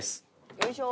よいしょ！